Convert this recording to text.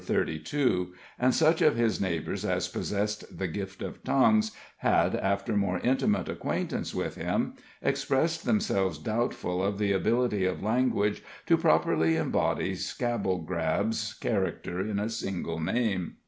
32, and such of his neighbors as possessed the gift of tongues had, after more intimate acquaintance with him, expressed themselves doubtful of the ability of language to properly embody Scrabblegrab's character in a single name.